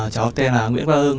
cháu tên là nguyễn văn hưng